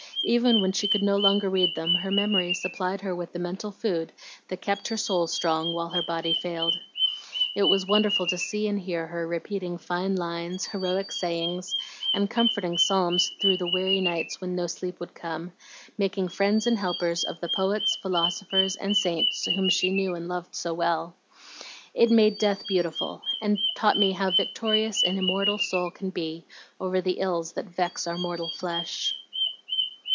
Even when she could no longer read them, her memory supplied her with the mental food that kept her soul strong while her body failed. It was wonderful to see and hear her repeating fine lines, heroic sayings, and comforting psalms through the weary nights when no sleep would come, making friends and helpers of the poets, philosophers, and saints whom she knew and loved so well. It made death beautiful, and taught me how victorious an immortal soul can be over the ills that vex our mortal flesh.